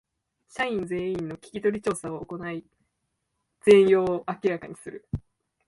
社員全員の聞き取り調査を行い全容を明らかにする